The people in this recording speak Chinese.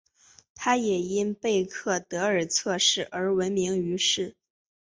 她也因贝克德尔测验而闻名于世。